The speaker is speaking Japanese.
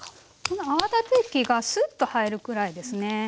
この泡立て器がスッと入るくらいですね。